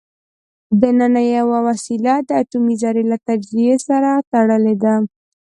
دننه یوه وسیله د اټومي ذرې له تجزیې سره تړلې ده.